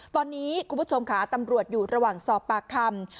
ตอนนี้คุณผู้ชมค่ะตำรวจอยู่ระหว่างสอบปากคำ